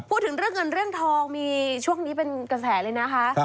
พูดถึงเรื่องเงินเรื่องทองมีช่วงนี้เป็นกระแสเลยนะคะ